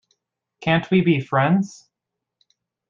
Can't We Be Friends?